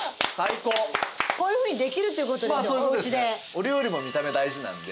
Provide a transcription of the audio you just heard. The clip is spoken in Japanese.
お料理も見た目大事なんで。